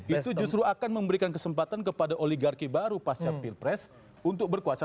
itu justru akan memberikan kesempatan kepada oligarki baru pasca pilpres untuk berkuasa